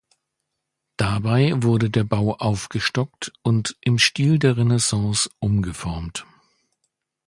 Dabei wurde der Bau aufgestockt und im Stil der Renaissance umgeformt.